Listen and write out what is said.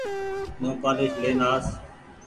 نوپآليس لين آس ۔